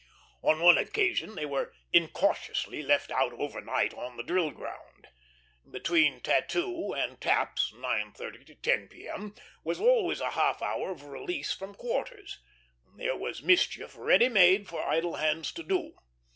On one occasion they were incautiously left out overnight on the drill ground. Between tattoo and taps, 9.30 to 10 P.M., was always a half hour of release from quarters. There was mischief ready made for idle hands to do.